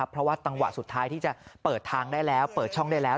เพราะว่าจังหวะสุดท้ายที่จะเปิดทางได้แล้วเปิดช่องได้แล้ว